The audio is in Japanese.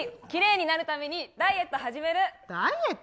きれいになるためにダイエット始める。